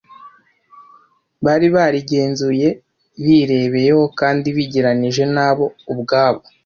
Bari barigenzuye birebeyeho kandi bigereranijje nabo ubwabo.